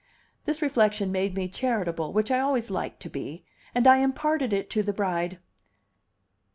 This reflection made me charitable, which I always like to be, and I imparted it to the bride.